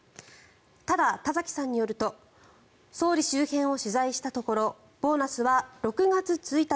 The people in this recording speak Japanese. ただ、田崎さんによると総理周辺を取材したところボーナスは６月１日